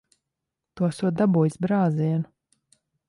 Tu esot dabūjis brāzienu.